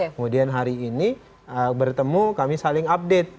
kemudian hari ini bertemu kami saling update